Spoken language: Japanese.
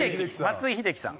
松井秀喜さん。